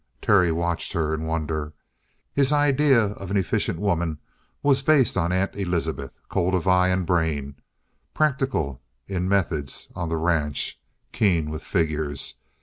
Terry watched her in wonder. His idea of an efficient woman was based on Aunt Elizabeth, cold of eye and brain, practical in methods on the ranch, keen with figures.